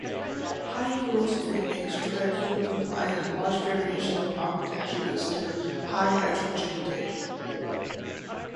High porosity makes trabecular compliant and large variations in architecture leads to high heterogeneity.